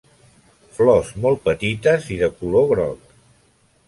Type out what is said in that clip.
Flors molt petites i de color groc.